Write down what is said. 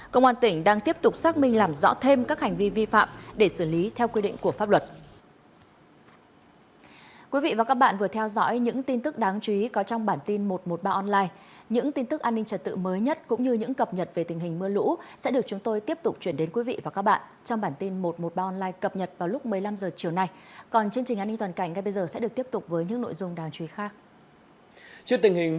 công an tỉnh đang tiếp tục xác minh làm rõ thêm các hành vi vi phạm để xử lý theo quy định của pháp luật